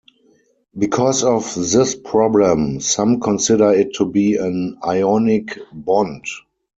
Because of this problem, some consider it to be an ionic bond.